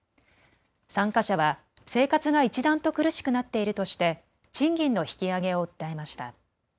参加者は生活が一段と苦しくなっているとして賃金の引き上げを訴えました。